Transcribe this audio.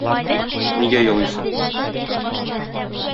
Нигә елыйсың?